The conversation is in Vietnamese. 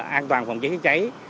an toàn phòng trái chữa trái